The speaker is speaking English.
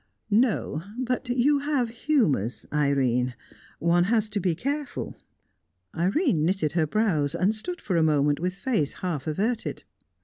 "No, but you have humours, Irene. One has to be careful." Irene knitted her brows, and stood for a moment with face half averted.